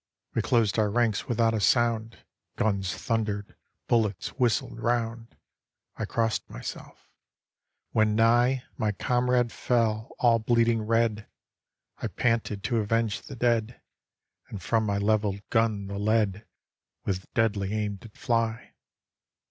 We closed our ranks without a sound. Guns thundered, bullets whistled round; I crossed myself — when nigh My comrade fell, all bleeding red; I panted to avenge the dead, And from my leveled gun the lead With deadly aim did fly.